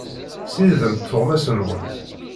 Ssiridemt tuɣmas-nwent.